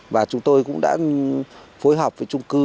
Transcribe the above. và chúng tôi cũng đã phối hợp với trung cư